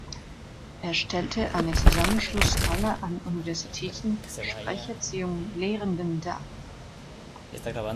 Er stellte einen Zusammenschluss aller an Universitäten Sprecherziehung Lehrenden dar.